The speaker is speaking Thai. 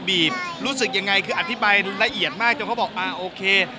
รู้สึกยังไงคืออธิบายละเอียดมากจนเขาบอกอ่าโอเค